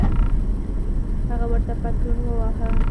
هغه ورته پتون وواهه.